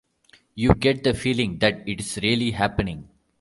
You get the feeling that it's really happening.